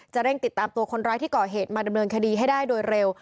เร่งติดตามตัวคนร้ายที่ก่อเหตุมาดำเนินคดีให้ได้โดยเร็ว